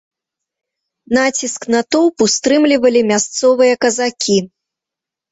Націск натоўпу стрымлівалі мясцовыя казакі.